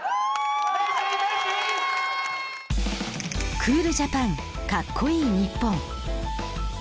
「クール・ジャパン」かっこいい日本。